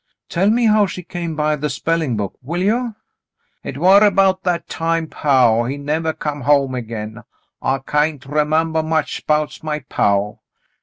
"Tell me how she came by the spelling book, will you ?*' "Hit war about that time. Paw, he nevah come home again. I cyan't remembah much 'bouts my paw.